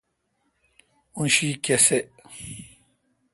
اں شی کسے°